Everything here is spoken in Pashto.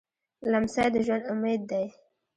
لمسی د ژوند امید دی.